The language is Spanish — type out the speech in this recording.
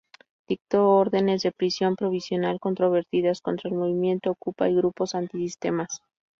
Dictó órdenes de prisión provisional controvertidas contra el movimiento okupa y grupos antisistema.